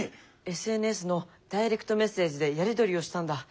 ＳＮＳのダイレクトメッセージでやり取りをしたんだ。